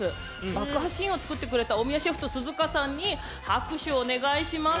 爆破シーンを作ってくれた大宮シェフと寿々歌さんに拍手をお願いします。